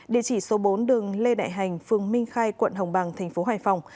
địa chỉ số bốn đường lê đại hành phường minh khai quận hồng bằng tp hải phòng